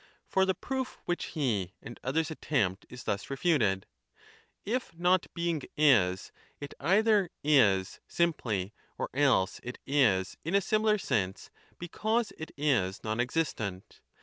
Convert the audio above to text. For the proof which he and others attempt is thus refuted : If Not being is, it either is simply, 35 or else it is in a similar sense because it is non existent.